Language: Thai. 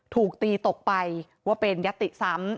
ถูกตีตกไปว่าเป็นยติซ้ำ